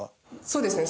そうですね。